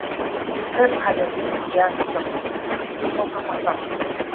pep hajazeeka kiasi cha kuondoka kwenye soka kwa sasa